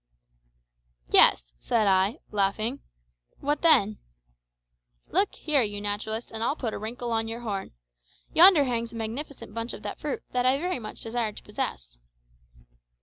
"Yes," said I, laughing; "what then?" "Look here, you naturalist, and I'll put a wrinkle on your horn. Yonder hangs a magnificent bunch of fruit that I very much desire to possess."